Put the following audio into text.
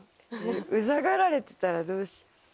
うざがられてたらどうしよう。